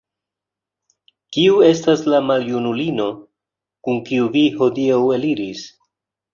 Kiu estas la maljunulino, kun kiu vi hodiaŭ eliris?